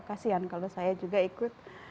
kasian kalau saya juga ikut